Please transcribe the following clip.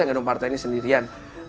menggendong partai ini sendirian